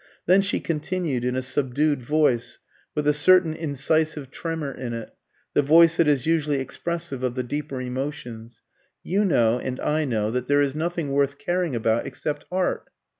Then she continued, in a subdued voice, with a certain incisive tremor in it, the voice that is usually expressive of the deeper emotions "You know, and I know, that there is nothing worth caring about except art.